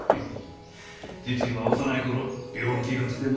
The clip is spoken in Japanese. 時珍は幼い頃病気がちでのう。